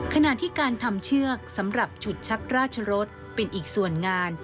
ขณะที่การทำเชือกสำหรับฉุดชักราชรสเป็นอีกส่วนงาน